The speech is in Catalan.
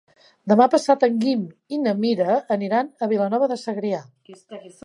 Demà passat en Guim i na Mira aniran a Vilanova de Segrià.